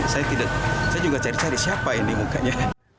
saya juga cari cari siapa ini mukanya